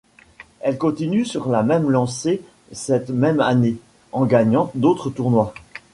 Elle continue sur la même lancée cette même année, en gagnant d'autres tournois.